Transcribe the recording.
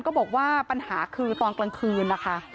ก็บอกว่าปัญหาคือตอนกลางคืนนะคะ